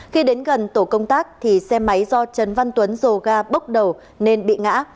khi đến gần tổ công tác thì xe máy do trấn văn tuấn dồ ga bốc đầu nên bị ngã